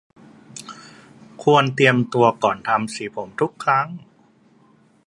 ควรเตรียมตัวก่อนทำสีผมทุกครั้ง